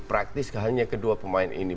praktis hanya kedua pemain ini